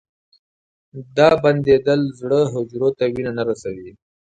دا بندېدل زړه حجرو ته وینه نه رسوي.